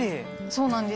そうなんです。